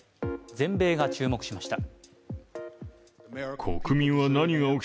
全米が注目しました。